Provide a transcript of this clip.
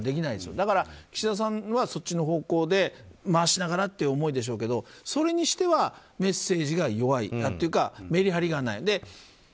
だから岸田さんはそっちの方向で回しながらっていう思いでしょうけど、それにしてはメッセージが弱いというかメリハリがない。